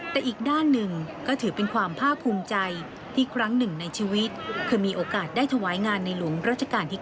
แต่อีกด้านหนึ่งก็ถือเป็นความภาคภูมิใจที่ครั้งหนึ่งในชีวิตคือมีโอกาสได้ถวายงานในหลวงรัชกาลที่๙